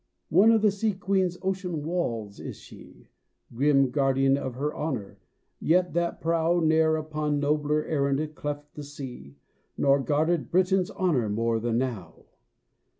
One of the Sea Queen's ocean walls is she, Grim guardian of her honor, yet that prow Ne'er upon nobler errand cleft the sea, Nor guarded Britain's honor more than now.